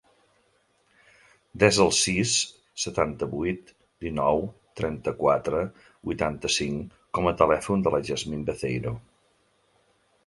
Desa el sis, setanta-vuit, dinou, trenta-quatre, vuitanta-cinc com a telèfon de la Yasmin Beceiro.